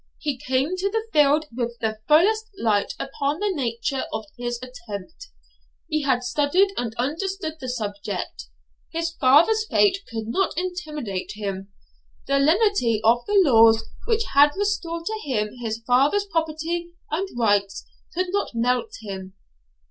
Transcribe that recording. He came to the field with the fullest light upon the nature of his attempt. He had studied and understood the subject. His father's fate could not intimidate him; the lenity of the laws which had restored to him his father's property and rights could not melt him.